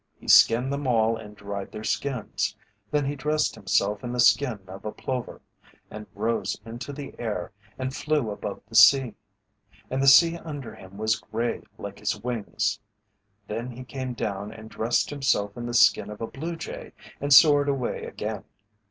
He skinned them all and dried their skins. Then he dressed himself in the skin of a plover and rose into the air and flew above the sea. And the sea under him was grey like his wings. Then he came down and dressed himself in the skin of a blue jay and soared away again.